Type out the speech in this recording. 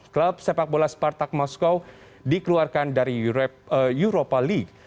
klub sepak bola spartak moskow dikeluarkan dari europa league